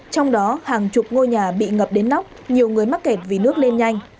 trong đó hàng chục ngôi nhà bị ngập đến nóc nhiều người mắc kẹt vì nước lên nhanh